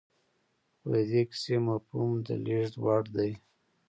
خو د دې کيسې مفهوم د لېږد وړ دی.